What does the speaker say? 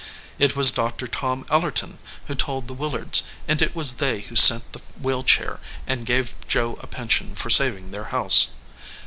It was Dr. Tom Ellerton who told the Willards, and it was they who sent the wheel chair and gave Joe a pension for saving their house.